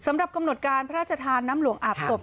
สำหรับกำหนดการพระราชทานน้ำหลวงอาบศพ